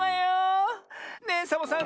ねえサボさん